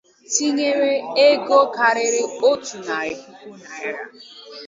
tinyere ego karịrị otu narị puku naịra.